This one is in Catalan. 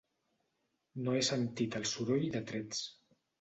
No he sentit el soroll de trets.